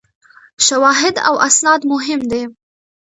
شواهد او اسناد مهم دي.